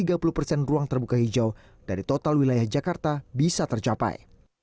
dan ruang terbuka hijau dari total wilayah jakarta bisa tercapai